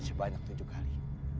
sebanyak tujuh kali